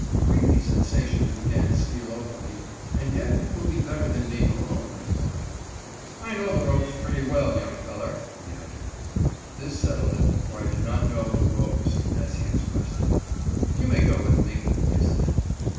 Creepy sensations began to steal over me, and yet it will be better than being alone, I thought. "I know the ropes pretty well, young feller," he added. This settled it, for I did not know the "ropes," as he expressed it. "You may go with me," I said.